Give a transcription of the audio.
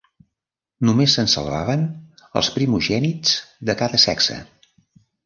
Només se'n salvaven els primogènits de cada sexe.